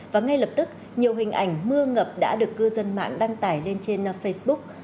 và ngay lập tức nhiều hình ảnh mưa ngập đã được cư dân mạng đăng tải lên trên facebook